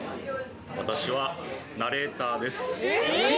私はナレーターです。